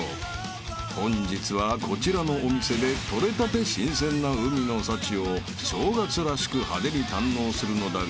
［本日はこちらのお店で取れたて新鮮な海の幸を正月らしく派手に堪能するのだが］